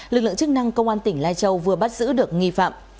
lực lượng chức năng công an tỉnh lai châu vừa bắt giữ được nghi phạm